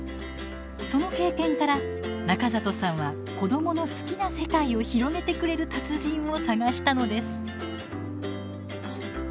その経験から中里さんは子どもの好きな世界を広げてくれる達人を探したのです。